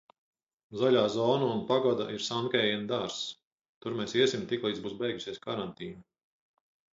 Zaļā zona un pagoda ir Sankeien dārzs. Tur mēs iesim tiklīdz būs beigusies karantīna.